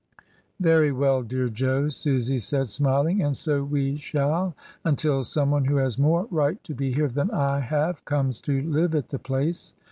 "Very well, dear Jo," Susy said, smiling, "and so we shall until some one who has more right to be here than I have comes to live at the Place."